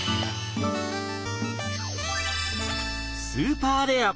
スーパーレア！